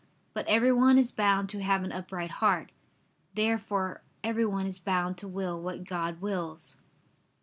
But everyone is bound to have an upright heart. Therefore everyone is bound to will what God wills.